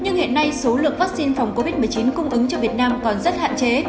nhưng hiện nay số lượng vaccine phòng covid một mươi chín cung ứng cho việt nam còn rất hạn chế